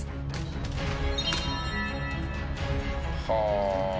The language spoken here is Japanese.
はあ！